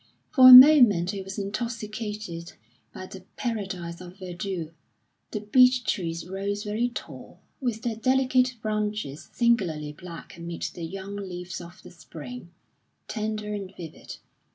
For a moment he was intoxicated by the paradise of verdure. The beech trees rose very tall, with their delicate branches singularly black amid the young leaves of the spring, tender and vivid.